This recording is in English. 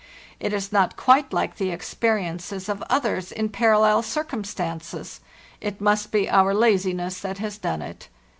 It is not quite like the experiences of others in parallel circumstances; it must be our lazi ness that has done it.